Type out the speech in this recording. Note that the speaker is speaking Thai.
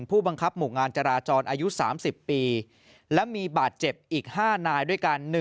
ผู้บังคับหมู่งานจราจรอายุ๓๐ปีและมีบาดเจ็บอีก๕นายด้วยกัน